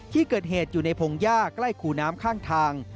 ที่เกิดเหตุอยู่ในพงหญ้าใกล้คูน้ำข้างทาง